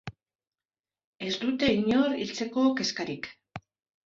Ez dute inor hiltzeko kezkarik.